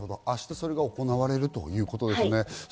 明日それが行われるということですね。